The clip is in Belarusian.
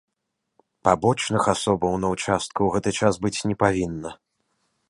Пабочных асобаў на ўчастку ў гэты час быць не павінна.